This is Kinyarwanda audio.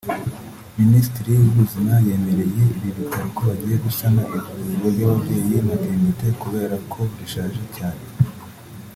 Minisitiri w’ubuzima yemereye ibi bitaro ko bagiye gusana ivuriro ry’ababyeyi (Matérnité) kubera ko rishaje cyane